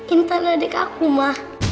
intan adek aku ma